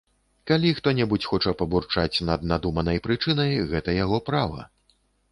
Калі хто-небудзь хоча пабурчаць над надуманай прычынай, гэта яго права.